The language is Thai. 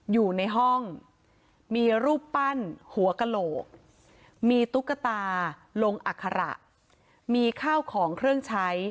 อยู่ในห้องมีรูปปั้นหัวกระโหละมีตุ๊กตาลงอัคระ